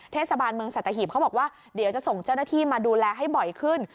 เทศบาลเมืองสัตหีบเขาบอกว่าเดี๋ยวจะส่งเจ้าหน้าที่มาดูแลให้บ่อยขึ้น